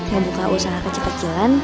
membuka usaha kecil kecilan